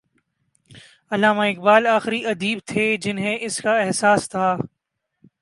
علامہ اقبال آخری ادیب تھے جنہیں اس کا احساس تھا۔